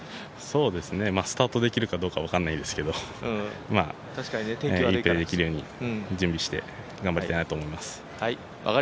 スタートできるかどうか分からないですけど、いいプレーできるように、準備して頑張りたいなと思います。